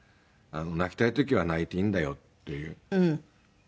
「泣きたい時は泣いていいんだよ」っていう。